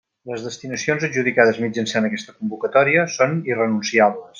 Les destinacions adjudicades mitjançant aquesta convocatòria són irrenunciables.